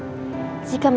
aku tidak bisa berhenti